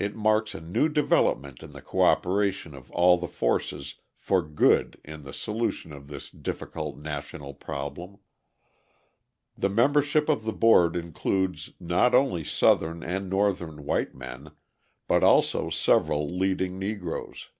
It marks a new development in the coöperation of all the forces for good in the solution of this difficult national problem. The membership of the board includes not only Southern and Northern white men, but also several leading Negroes.